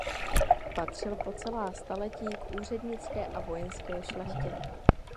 Patřil po celá staletí k úřednické a vojenské šlechtě.